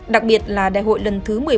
đặc biệt là đại hội lần thứ một mươi bảy